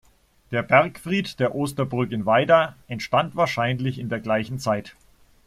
Der Bergfried der Osterburg in Weida entstand wahrscheinlich in der gleichen Zeit.